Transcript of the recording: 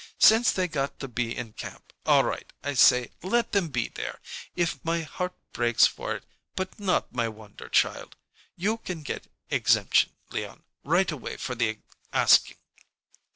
Since they got to be in camp, all right, I say, let them be there, if my heart breaks for it, but not my wonder child! You can get exemption, Leon, right away for the asking.